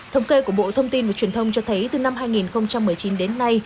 thống kê của bộ thông tin và truyền thông cho thấy từ năm hai nghìn một mươi chín đến nay